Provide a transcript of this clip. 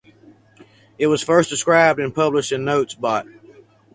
It was first described and published in Notes Bot.